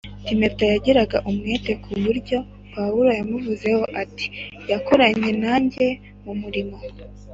Timoteyo yagiraga umwete ku buryo Pawulo yamuvuzeho ati Yakoranye nanjye mu murimo